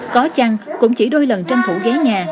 có chăng cũng chỉ đôi lần tranh thủ ghế nhà